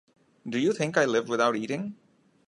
Do you think I live without eating?